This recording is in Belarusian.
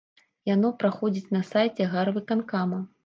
Яно праходзіць на сайце гарвыканкама.